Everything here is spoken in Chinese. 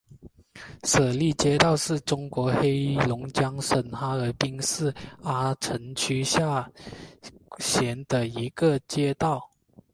舍利街道是中国黑龙江省哈尔滨市阿城区下辖的一个街道。